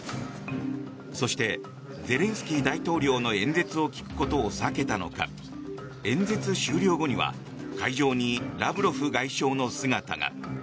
そしてゼレンスキー大統領の演説を聞くことを避けたのか演説終了後には会場にラブロフ外相の姿が。